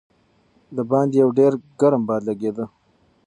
د باندې یو ډېر ګرم باد لګېده.